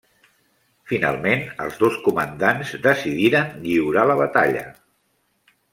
Finalment, els dos comandants decidiren lliurar la batalla.